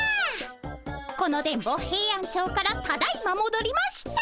この電ボヘイアンチョウからただいまもどりました。